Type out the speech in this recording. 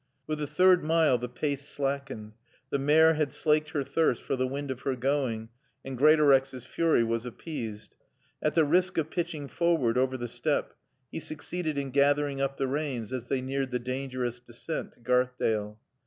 With the third mile the pace slackened. The mare had slaked her thirst for the wind of her going and Greatorex's fury was appeased. At the risk of pitching forward over the step he succeeded in gathering up the reins as they neared the dangerous descent to Garthdale.